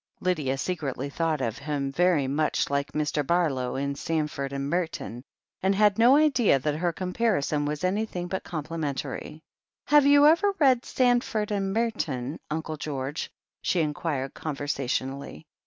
Lydia secretly thought him very like Mr. Barlow in "Sandford and Merton," and had no idea that her comparison was anything but complimentary. "Have you ever read 'Sandford and Merton,' Unde George?" she inquired conversationally.